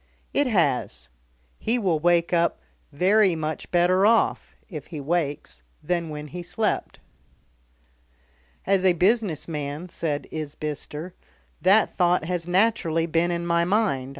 "It has. He will wake up very much better off if he wakes than when he slept." "As a business man," said Isbister, "that thought has naturally been in my mind.